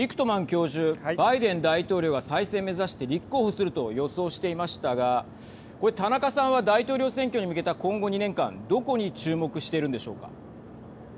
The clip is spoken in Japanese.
教授バイデン大統領が再選目指して立候補すると予想していましたがこれ田中さんは大統領選挙に向けた今後２年間どこに注目してるんでしょうか。